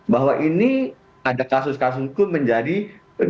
bahwa ini ada kasus kasus hukum menjadi gaining politik